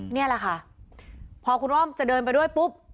นี่แหละค่ะพอคุณอ้อมจะเดินไปด้วยปุ๊บ